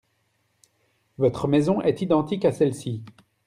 Votre maison est identique à celle-ci ?